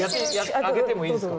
開けてもいいですか？